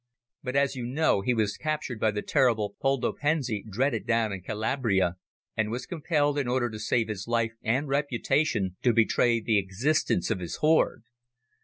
But, as you know, he was captured by the terrible Poldo Pensi, dreaded down in Calabria, and was compelled, in order to save his life and reputation, to betray the existence of his hoard.